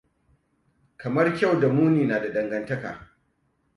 Kalmar 'kyau' da 'muni' na da dangantaka.